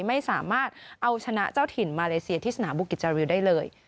ไม่สามารถเอาชนะเจ้าถิ่นมาเลเซียที่สนามบุกิจจาริวได้เลย